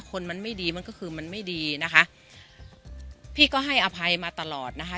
คนมันไม่ดีมันก็คือมันไม่ดีนะคะพี่ก็ให้อภัยมาตลอดนะคะ